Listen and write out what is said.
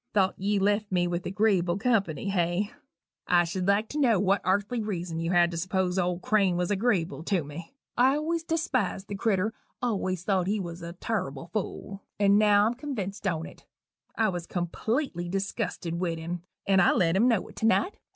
Thought ye left me with agreeable company, hey? I should like to know what arthly reason you had to s'pose old Crane was agreeable to me? I always despised the critter; always thought he wuz a turrible fool and now I'm convinced on't. I'm completely disgusted wit him and I let him know it to night.